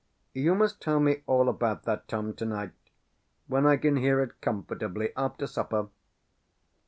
"You must tell me all about that, Tom, to night, when I can hear it comfortably, after supper."